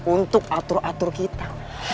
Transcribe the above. untuk atur atur kita